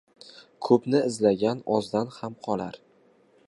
• Ko‘pni izlagan ozdan ham qolar.